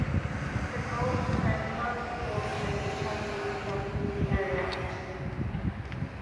Technology transfer and skills training have been conducted in the area.